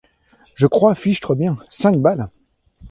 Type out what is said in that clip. Je crois fichtre bien ! cinq balles !